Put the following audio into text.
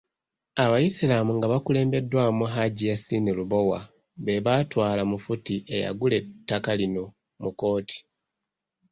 Abayisiraamu nga bakulembeddwamu Hajji Yasin Lubowa be baatwala Mufti eyagula ettaka lino mu kkooti.